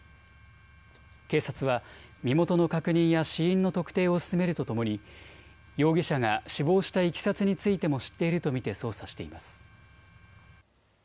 警察は身元の確認や死因の特定を進めるとともに容疑者が死亡したいきさつについても知っていると見て捜査しています。